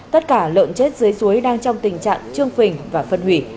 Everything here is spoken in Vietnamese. tất cả lợn chết dưới suối đang trong tình trạng trương phình và phân hủy